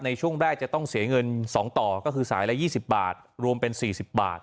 ในช่วงแรกจะต้องเสียเงิน๒ต่อก็คือสายละ๒๐บาทรวมเป็น๔๐บาท